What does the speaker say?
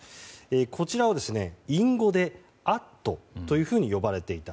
こちらを隠語でアットと呼ばれていた。